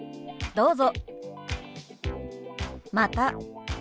どうぞ。